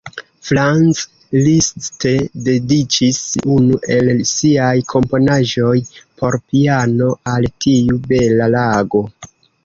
Franz Liszt dediĉis unu el siaj komponaĵoj por piano al tiu bela lago.